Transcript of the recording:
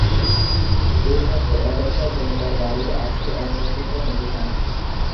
এর সাথে এক-একটা জমিদার বাড়ির আছে এক একরকম ইতিহাস।